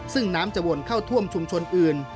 ซึ่งน้ำจะวนเข้าท่วมชุมชนอื่น